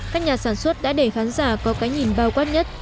các nhà sản xuất đã để khán giả có cái nhìn bao quát nhất